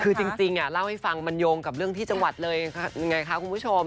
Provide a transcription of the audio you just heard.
คือจริงเล่าให้ฟังมันโยงกับเรื่องที่จังหวัดเลยยังไงคะคุณผู้ชม